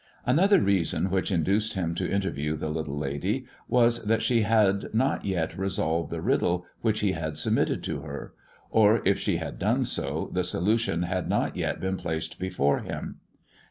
Another reason which induced him to interview the little lady, was that she had not yet resolved the riddle which he had submitted to her ; or if she had done so, the solution had not yet been placed before him.